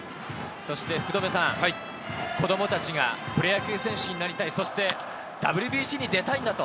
そして子供たちがプロ野球選手になりたい、ＷＢＣに出たいんだと。